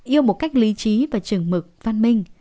yêu một cách lý trí và trường mực văn minh